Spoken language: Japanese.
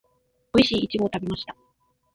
おいしいイチゴを食べました